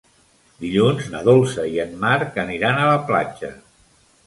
Dilluns na Dolça i en Marc aniran a la platja.